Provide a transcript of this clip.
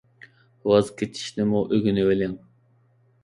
ۋاز كېچىشنىمۇ ئۆگىنىۋېلىڭ.